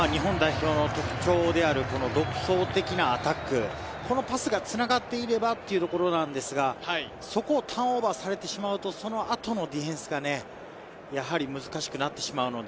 オフロードパスの連続、非常によかったんですが、日本代表の特徴である独創的なアタック、このパスがつながっていればというところなんですが、そこをターンオーバーされてしまうと、その後のディフェンスがね、やはり難しくなってしまうので。